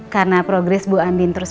karena progres bu andin terus